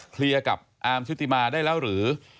เคลียร์กับอาร์มชุติมาได้แล้วหรือ